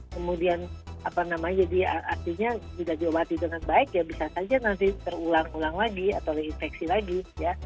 kemudian apa namanya jadi artinya jika diobati dengan baik ya bisa saja nanti terulang ulang lagi atau diinfeksi lagi ya